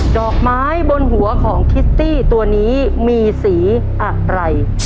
ดอกไม้บนหัวของคิสตี้ตัวนี้มีสีอะไร